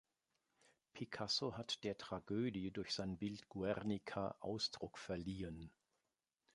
Picasso hat der Tragödie durch sein Bild "Guernica" Ausdruck verliehen.